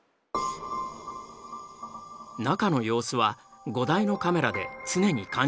中の様子は５台のカメラで常に監視される。